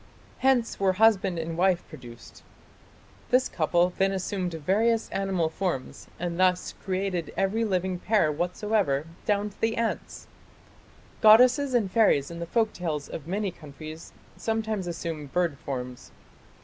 "Hence were husband and wife produced." This couple then assumed various animal forms and thus "created every living pair whatsoever down to the ants". Goddesses and fairies in the folk tales of many countries sometimes assume bird forms.